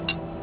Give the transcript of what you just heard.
ini om udah